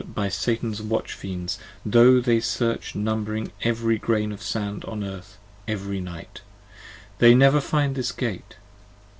39 BY Satan's Watch fiends: tho' they search numbering every grain Of sand on Earth every night, they never find this Gate.